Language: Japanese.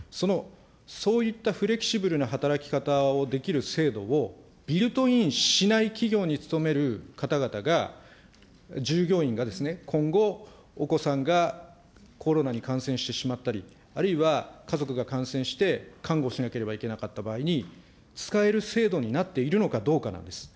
そういったフレキシブルな働き方をできる制度をビルトインしない企業に勤める方々が、従業員が今後、お子さんがコロナに感染してしまったり、あるいは家族が感染して、看護しなければいけなかった場合に、使える制度になっているのかどうかなんです。